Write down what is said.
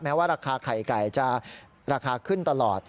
ว่าราคาไข่ไก่จะราคาขึ้นตลอด